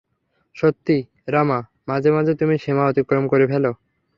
সত্যি, রামা, মাঝে মাঝে তুমি সীমা অতিক্রম করে ফেলো।